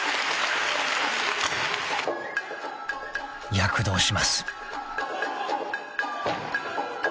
［躍動します］